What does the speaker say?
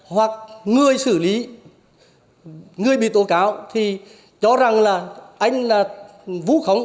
hoặc người xử lý người bị tố cáo thì cho rằng là anh là vũ khống